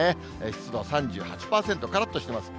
湿度３８％、からっとしてます。